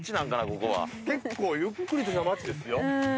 ここは結構ゆっくりとした街ですよ